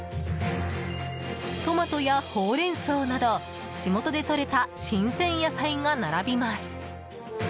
トマトやホウレンソウなど地元でとれた新鮮野菜が並びます。